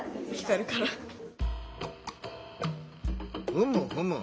ふむふむ。